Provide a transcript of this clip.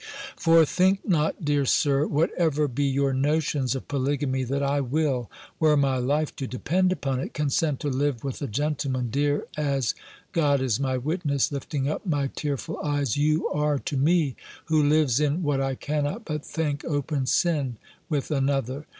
"For, think not, dear Sir, whatever be your notions of polygamy, that I will, were my life to depend upon it, consent to live with a gentleman, dear as, God is my witness," (lifting up my tearful eyes) "you are to me, who lives in what I cannot but think open sin with another!